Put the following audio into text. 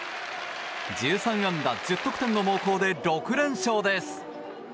１３安打１０得点の猛攻で６連勝です。